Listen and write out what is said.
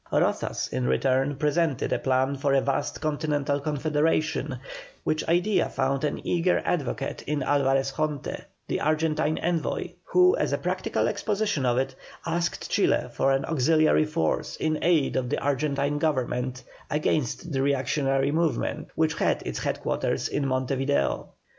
Rozas, in return, presented a plan for a vast continental confederation, which idea found an eager advocate in Alvarez Jonte, the Argentine envoy, who as a practical exposition of it, asked Chile for an auxiliary force in aid of the Argentine Government against the reactionary movement which had its headquarters in Monte Video.